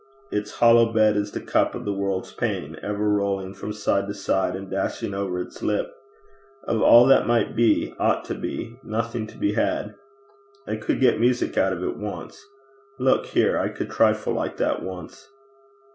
Its hollow bed is the cup of the world's pain, ever rolling from side to side and dashing over its lip. Of all that might be, ought to be, nothing to be had! I could get music out of it once. Look here. I could trifle like that once.'